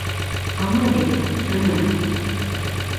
— Ана бит, ана.